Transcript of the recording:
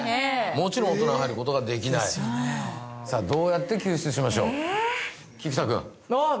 もちろん大人は入ることができないさあどうやって救出しましょう？